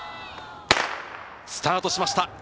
スタートしました。